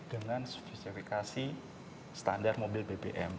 dengan spesifikasi standar mobil bbm